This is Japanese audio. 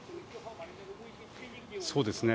そうですね。